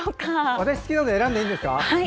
私、好きなの選んでいいですか。